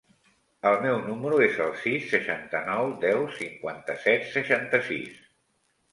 El meu número es el sis, seixanta-nou, deu, cinquanta-set, seixanta-sis.